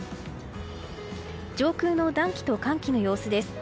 上空の暖気と寒気の様子です。